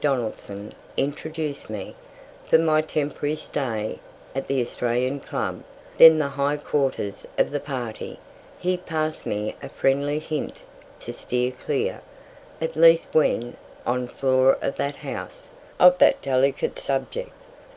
Donaldson introduced me, for my temporary stay, at the Australian Club, then the high quarters of the party, he passed me a friendly hint to steer clear, at least when on the floor of that "house," of that delicate subject.